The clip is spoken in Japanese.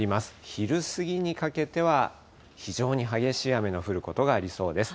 昼過ぎにかけては非常に激しい雨の降ることがありそうです。